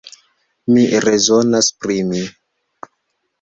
Mi rezonas pri mi.